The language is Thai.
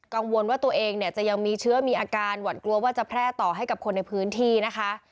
กังวลว่าตัวเองเนี่ยจะยังมีเชื้อมีอาการหวั่นกลัวว่าจะแพร่ต่อให้กับคนในพื้นที่นะคะ